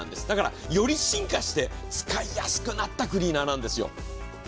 だから、より進化して使いやすくなったクリーナーなんですよ。